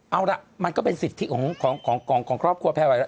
เอาล่ะมันก็เป็นสิทธิของของของของครอบครัวแพร่ไหวแล้ว